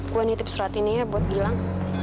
gue nitip serat ini ya buat gilang